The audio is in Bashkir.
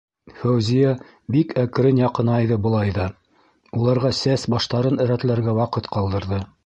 Фәүзиә бик әкрен яҡынайҙы былай ҙа, уларға сәс-баштарын рәтләргә ваҡыт ҡалдырҙы.